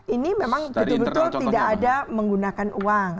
ini memang betul betul tidak ada menggunakan uang